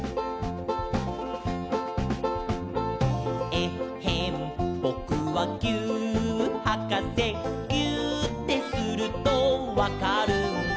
「えっへんぼくはぎゅーっはかせ」「ぎゅーってするとわかるんだ」